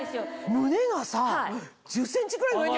胸がさ１０ｃｍぐらい上に。